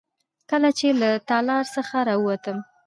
کله چې له تالار څخه راووتم.